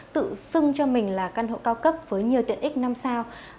tự xưng cho mình là căn hộ cao cấp với nhiều tiện ích năm sao